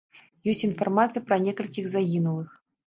Ёсць інфармацыя пра некалькіх загінулых.